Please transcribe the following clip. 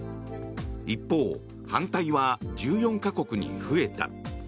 一方、反対は１４か国に増えた。